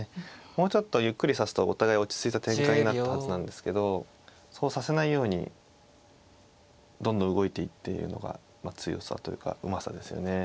もうちょっとゆっくり指すとお互い落ち着いた展開になったはずなんですけどそうさせないようにどんどん動いていってるのがまあ強さというかうまさですよね。